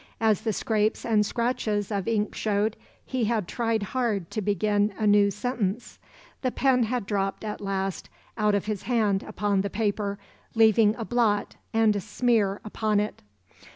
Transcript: As the scrapes and scratches of ink showed, he had tried hard to begin a new sentence. The pen had dropped at last out of his hand upon the paper, leaving a blot and a smear upon it.